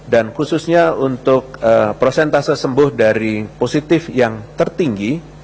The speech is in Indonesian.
dan khususnya untuk prosentase sembuh dari positif yang tertinggi